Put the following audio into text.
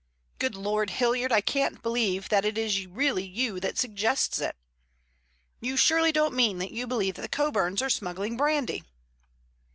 Good Lord, Hilliard, I can't believe that it is really you that suggests it! You surely don't mean that you believe that the Coburns are smuggling brandy?"